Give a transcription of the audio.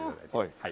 はい。